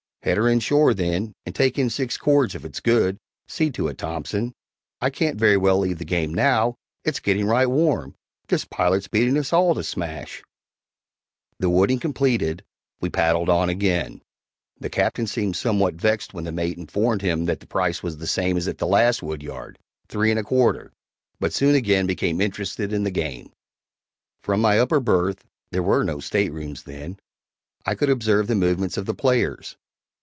"Head her in shore, then, and take in six cords if it's good see to it, Thompson; I can't very well leave the game now it's getting right warm! This pilot's beating us all to smash." The wooding completed, we paddled on again. The Captain seemed somewhat vexed when the mate informed him that the price was the same as at the last woodyard three and a quarter; but soon again became interested in the game. From my upper berth (there were no state rooms then) I could observe the movements of the players.